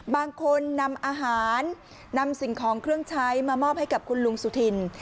บางคนนำอาหารนำสิ่งของเครื่องใช้มามอบให้กับคุณลุงสุธิน